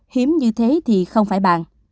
hiếm như thế thì không phải bàn